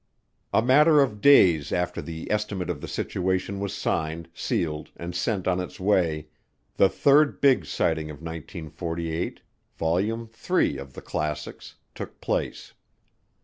A matter of days after the Estimate of the Situation was signed, sealed, and sent on its way, the third big sighting of 1948, Volume III of "The Classics," took place.